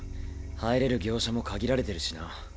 入れる業者も限られてるしな。